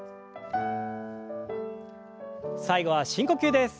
最後は深呼吸です。